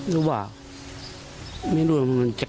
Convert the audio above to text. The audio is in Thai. และในเกียรติธรรมชีวัน๒๘๒๘นาที